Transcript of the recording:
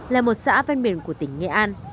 là một xã văn biển của tỉnh nghệ an